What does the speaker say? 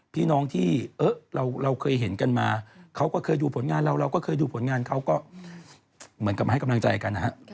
พี่น้องที่เราเคยเห็นกันมาเขาก็เคยดูผลงานเราเราก็เคยดูผลงานเขาก็เหมือนกับมาให้กำลังใจกันนะฮะ